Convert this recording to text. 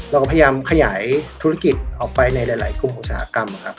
เราก็พยายามขยายธุรกิจออกไปในหลายกลุ่มอุตสาหกรรมครับ